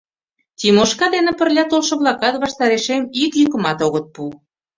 Тимошка дене пырля толшо-влакат ваштарешем ик йӱкымат огыт пу.